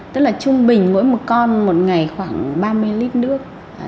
tức là trung bình mỗi một con một ngày khoảng ba mươi lít nước